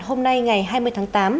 hôm nay ngày hai mươi tháng tám